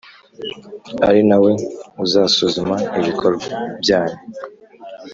ari na we uzasuzuma ibikorwa byanyu,